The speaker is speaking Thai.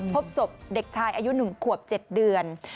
พบศพเด็กชายอายุ๑ขวบ๗เดือน